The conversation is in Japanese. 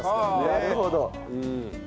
なるほど。